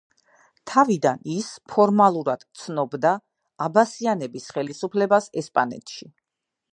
თავიდან ის ფორმალურად ცნობდა აბასიანების ხელისუფლებას ესპანეთში.